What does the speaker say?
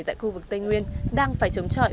tại khu vực tây nguyên đang phải chống chọi